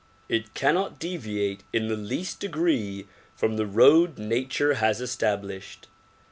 It cannot devia, te in the least degree from the road nature has estab lished.